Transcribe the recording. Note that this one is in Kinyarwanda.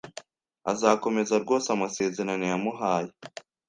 Azakomeza rwose amasezerano yamuhaye.